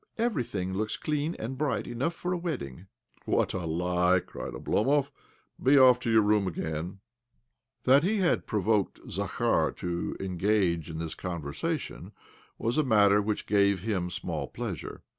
Everything looks clean and bright enough for a wedding." " What a lie I " cried Oblomov. " Be off to your room again !" That he had provoked Zakhar to engage 20 OBLOMOV in this сопѵегзаііод was a fact which gave him small pleasure.